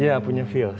iya punya feeling